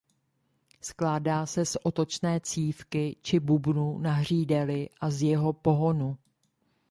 Skládá se z otočné cívky či bubnu na hřídeli a z jeho pohonu.